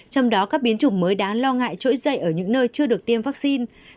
trong đó các biến chủng mới đã lo ngại trỗi dậy ở những nơi chưa được tiêm vaccine